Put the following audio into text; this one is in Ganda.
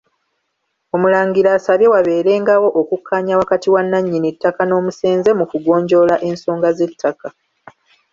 Omulangira asabye wabeerengawo okukkaanya wakati wa nannyini ttaka n'omusenze mu kugonjoola ensonga z'ettaka.